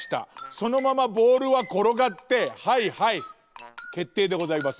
そのままボールはころがってはいはいけっていでございます。